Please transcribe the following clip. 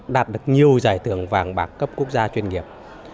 đạt được nhiều giải thưởng vàng bạc cấp quốc gia chuyên nghiệp